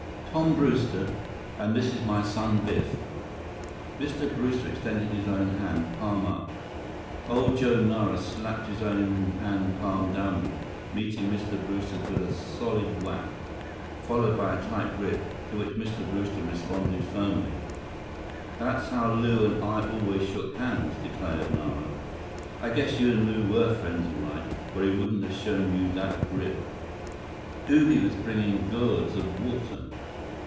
"Tom Brewster. And this is my son Biff." Mr. Brewster extended his own hand, palm up. Old Joe Nara slapped his own hand palm downward, meeting Mr. Brewster's with a solid whack, followed by a tight grip to which Mr. Brewster responded firmly. "That's how Lew and I always shook hands," declared Nara. "I guess you and Lew were friends all right, or he wouldn't have shown you that grip." Ubi was bringing gourds of water.